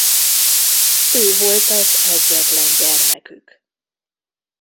Ő volt az egyetlen gyermekük.